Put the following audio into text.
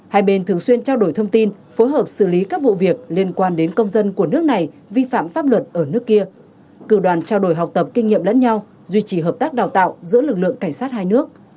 hai bên thường xuyên trao đổi thông tin phối hợp xử lý các vụ việc liên quan đến công dân của nước này vi phạm pháp luật ở nước kia cử đoàn trao đổi học tập kinh nghiệm lẫn nhau duy trì hợp tác đào tạo giữa lực lượng cảnh sát hai nước